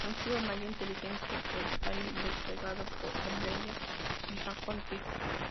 Exhibe mayor inteligencia que el Tyrant desplegado por Umbrella en Raccoon City.